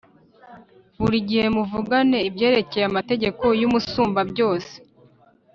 buri gihe muvugane ibyerekeye amategeko y’Umusumbabyose